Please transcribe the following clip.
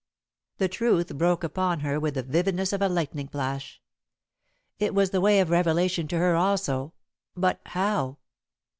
The truth broke upon her with the vividness of a lightning flash. It was the way of revelation to her also, but how?